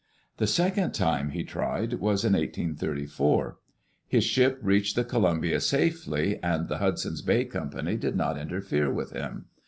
The second time he tried was in 1834. His ship reached the Columbia safely, and the Hudson's Bay Company did not interfere with him.